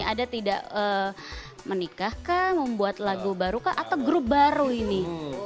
ada tidak menikah kah membuat lagu baru kah atau grup baru ini